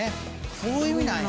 そういう意味なんや。